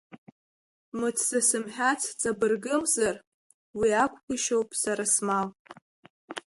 Мыц засымҳәац ҵабыргымзар, уи акәгәышьоуп сара смал!